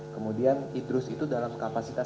kemudian idrus itu dalam kapasitas